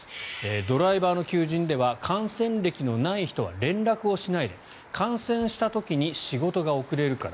ドライバーの求人では感染歴のない人は連絡をしないで感染した時に仕事が遅れるから。